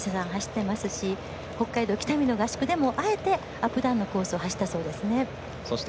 北海道北見の合宿でもあえてアップダウンのコースを走ったそうです。